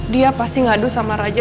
dia pasti ngadu sama raja